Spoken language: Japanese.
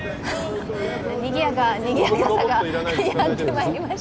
にぎやかな方がやってまいりました。